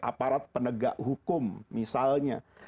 aparat penegak hukum misalnya